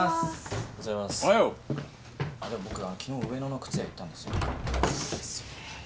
あの僕昨日上野の靴屋行ったんですけど。